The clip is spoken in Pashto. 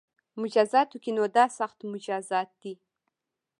مجازاتو کې نو دا سخت مجازات دي